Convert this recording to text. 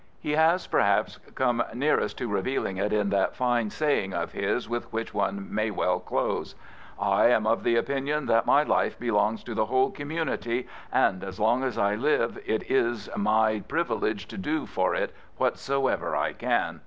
He has, perhaps, come nearest to revealing it in that fine saying of his with which one may well close: I am of the opinion that my life belongs to the «S Prophets, Priests, and Kings whole community, and as long as I live it is my privilege to do for it whatsoever I can.